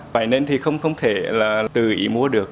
vậy nên thì không thể tự ý mua được